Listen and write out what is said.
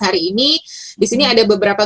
hari ini disini ada beberapa